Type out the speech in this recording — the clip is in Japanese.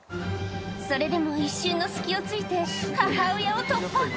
それでも一瞬の隙をついて、母親を突破。